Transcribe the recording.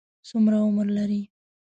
څومره عمر لري؟